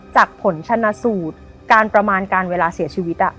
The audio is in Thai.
ผลชนะสูตรการประมาณการเวลาเสียชีวิต